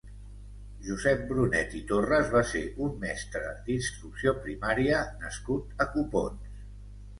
Josep Brunet i Torres va ser un mestre d'instrucció primària nascut a Copons.